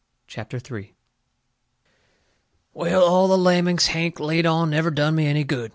CHAPTER III Well, all the lammings Hank laid on never done me any good.